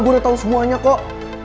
gue udah tau semuanya kok